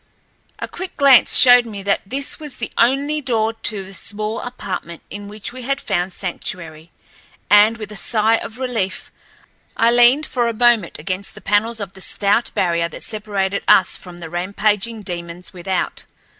A quick glance showed me that this was the only door to the small apartment in which we had found sanctuary, and, with a sigh of relief, I leaned for a moment against the panels of the stout barrier that separated us from the ramping demons without.